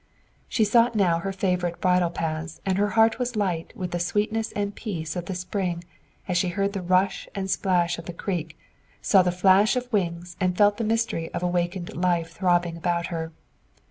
She sought now her favorite bridle paths and her heart was light with the sweetness and peace of the spring as she heard the rush and splash of the creek, saw the flash of wings and felt the mystery of awakened life throbbing about her.